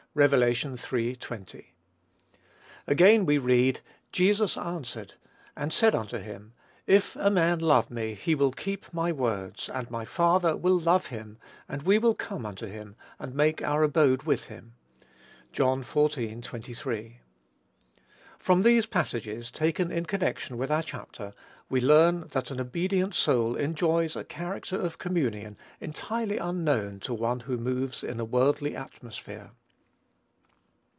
(Rev. iii. 20.) Again, we read, "Jesus answered, and said unto him, If a man love me he will keep my words, and my Father will love him, and we will come unto him, and make our abode with him." (John xiv. 23.) From these passages, taken in connection with our chapter, we learn that an obedient soul enjoys a character of communion entirely unknown to one who moves in a worldly atmosphere.